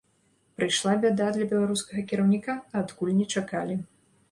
Прыйшла бяда для беларускага кіраўніка, адкуль не чакалі.